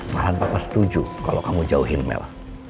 malah papa setuju kalau kamu jauhin mel